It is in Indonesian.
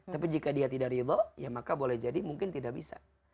tapi jika dia tidak ridho ya maka boleh jadi mungkin tidak bisa